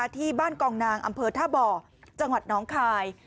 ที่บ้านกองนางอำเภอท่าบ่อจังหวัดน้องคาย